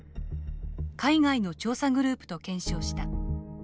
海外の調査グループと検証した。